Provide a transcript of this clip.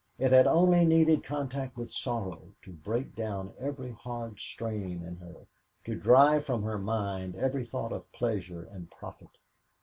It had only needed contact with sorrow to break down every hard strain in her, to drive from her mind every thought of pleasure and profit.